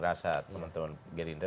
rasa teman teman gerindra